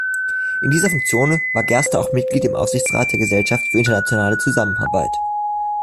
In dieser Funktion war Gerster auch Mitglied im Aufsichtsrat der Gesellschaft für Internationale Zusammenarbeit.